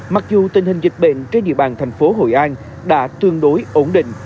mặc dù tình hình dịch bệnh trên địa bàn thành phố hội an đã tương đối ổn định